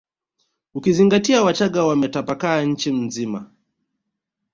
Ukizingatia wachaga wametapakaa nchi nzima